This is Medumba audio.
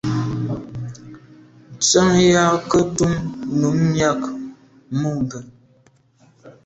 Ntsenyà nke ntum num miag mube.